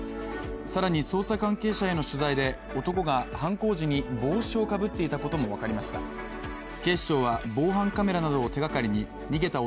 更に捜査関係者への取材で男が犯行時に帽子をかぶっていたことも分かりました。